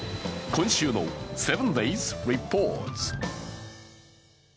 今週の「７ｄａｙｓリポート」。